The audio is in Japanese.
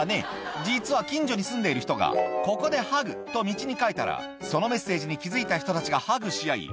実は近所に住んでいる人がと道に書いたらそのメッセージに気付いた人たちがハグし合い